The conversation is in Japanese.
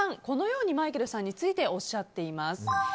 このようにマイケルさんについておっしゃっています。